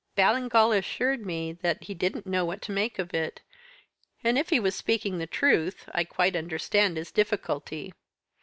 "Ballingall assured me that he didn't know what to make of it; and if he was speaking the truth, I quite understand his difficulty.